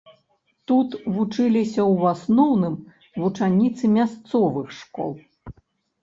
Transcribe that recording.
Тут вучыліся ў асноўным вучаніцы мясцовых школаў.